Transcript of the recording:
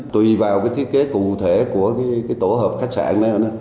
tùy vào cái thiết kế cụ thể của cái tổ hợp khách sạn này